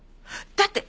だって